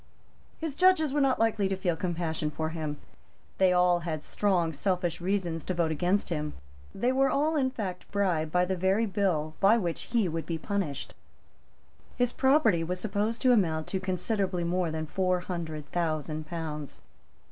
His judges were not likely to feel compassion for him; and they all had strong selfish reasons to vote against him. They were all in fact bribed by the very bill by which he would be punished. His property was supposed to amount to considerably more than four hundred thousand pounds.